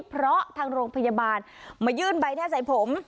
เพราะทางโรงพยาบาลมายื่นใบหน้าใส่ผม